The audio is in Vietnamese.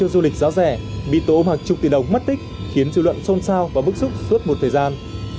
du lịch giá rẻ bị tố hàng chục tỷ đồng mất tích khiến dư luận xôn xao và bức xúc suốt một thời gian